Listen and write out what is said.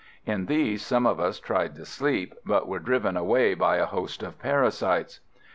In these some of us tried to sleep, but were driven away by a host of parasites.